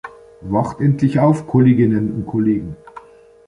Wacht endlich auf, Kolleginnen und Kollegen!